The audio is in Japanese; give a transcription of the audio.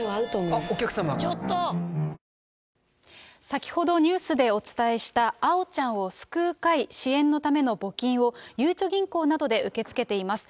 先ほどニュースでお伝えした、あおちゃんを救う会支援のための募金を、ゆうちょ銀行などで受け付けています。